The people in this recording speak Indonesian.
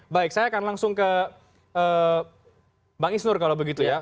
baik saya akan langsung ke bang isnur kalau begitu ya